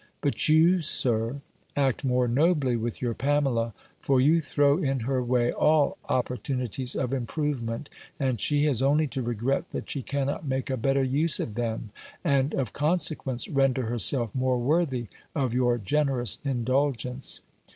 But you. Sir, act more nobly with your Pamela; for you throw in her way all opportunities of improvement; and she has only to regret, that she cannot make a better use of them, and, of consequence, render herself more worthy of your generous indulgence.